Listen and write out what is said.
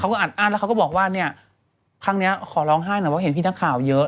เขาก็อัดอั้นแล้วเขาก็บอกว่าเนี่ยครั้งนี้ขอร้องไห้เห็นพี่นักข่าวเยอะ